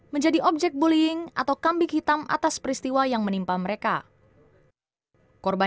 menjadi objek bullying atau kambing hitam atas peristiwa yang menimpa mereka